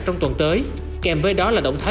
trong tuần tới kèm với đó là động thái